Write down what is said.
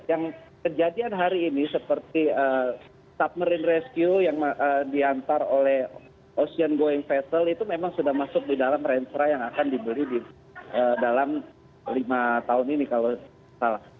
yang kejadian hari ini seperti submarin rescue yang diantar oleh ocean going vessel itu memang sudah masuk di dalam rangerang yang akan dibeli dalam lima tahun ini kalau salah